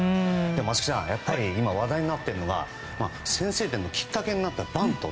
松木さん、やっぱり今話題になっているのが先制点のきっかけになったバント。